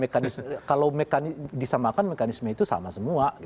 kalau disamakan mekanisme itu sama semua